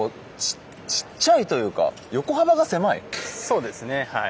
そうですねはい。